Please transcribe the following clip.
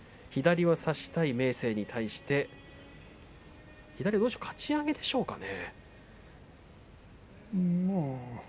左を差したい明生に対してかち上げでしょうかね。